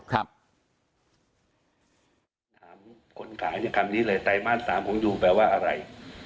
ถามคนขายจากคำนี้เลยไตรมาส๓ของยูแปลว่าอะไร